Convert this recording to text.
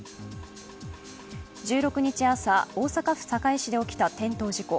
１６日朝、大阪府堺市で起きた転倒事故。